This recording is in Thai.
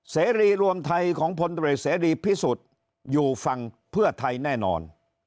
เสรีรวมไทยของพลตรวจเสรีพิสุทธิ์อยู่ฝั่งเพื่อไทยแน่นอน